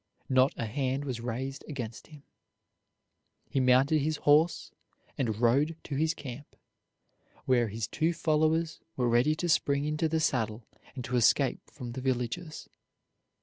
Not a hand was raised against him. He mounted his horse and rode to his camp, where his two followers were ready to spring into the saddle and to escape from the villages.